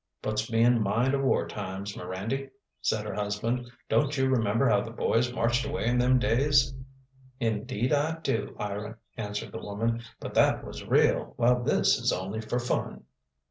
"Puts me in mind o' war times, Mirandy," said her husband. "Don't you remember how the boys marched away in them days"? "Indeed I do, Ira," answered the woman. "But that was real, while this is only for fun."